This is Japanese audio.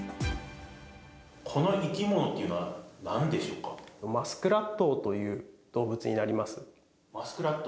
この生き物というのは、マスクラットという動物になマスクラット？